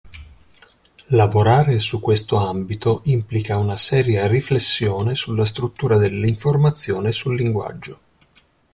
Lavorare su questo ambito implica una seria riflessione sulla struttura dell'informazione e sul linguaggio.